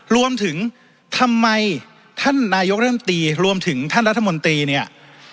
รวมถึงทำไมท่านนายกรัฐมนตรีรวมถึงท่านรัฐมนตรีเนี่ย